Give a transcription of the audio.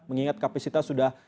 mengingat kapasitas sudah